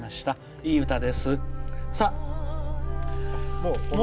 いい歌です。